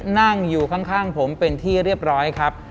นั่งอยู่ข้างผมเป็นที่เรียบร้อยครับ